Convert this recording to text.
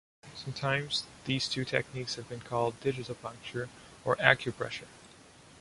Sometimes, these two techniques have been called digitopuncture or acupressure.